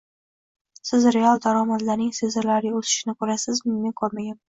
Siz real daromadlarning sezilarli o'sishini ko'rasizmi? Men ko'rmaganman